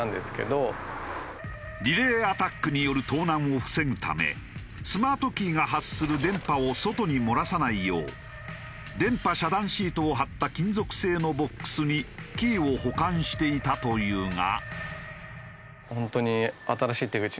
リレーアタックによる盗難を防ぐためスマートキーが発する電波を外に漏らさないよう電波遮断シートを貼った金属製のボックスにキーを保管していたというが。